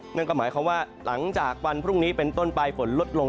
นั่นก็หมายความว่าหลังจากวันพรุ่งนี้เป็นต้นไปฝนลดลง